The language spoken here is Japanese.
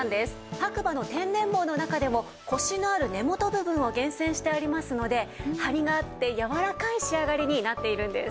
白馬の天然毛の中でもコシのある根元部分を厳選してありますのでハリがあってやわらかい仕上がりになっているんです。